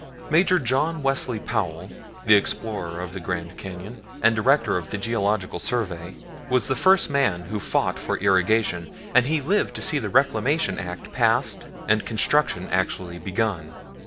Major John Wesley Powell, the explorer of the Grand Canyon, and Director of the Geological Survey, was the first man who fought for irrigation, and he lived to see the Reclamation Act passed and construction actually begun.